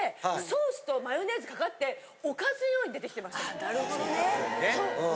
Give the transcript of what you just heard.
あなるほどね。